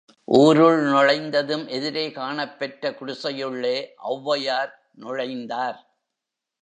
ஊருள் நுழைந்ததும் எதிரே காணப்பெற்ற குடிசையுள்ளே ஒளவையார் நுழைந்தார்.